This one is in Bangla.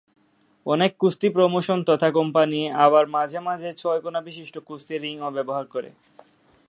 অনেক কুস্তি প্রমোশন তথা কোম্পানী আবার মাঝে মাঝে ছয়-কোণা বিশিষ্ট কুস্তি রিং ও ব্যবহার করে।